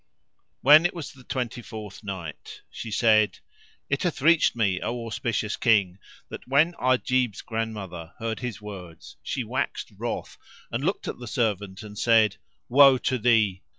When it was the Twenty fourth Night, She said, It hath reached me, O auspicious King, that when Ajib's grandmother heard his words, she waxed wroth and looked at the servant and said, "Woe to thee!